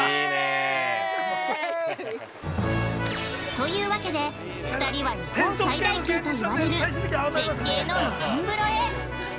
◆というわけで、２人は日本最大級といわれる絶景の露天風呂へ。